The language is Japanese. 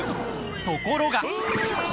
ところが。